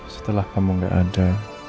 setelah kamu gak ada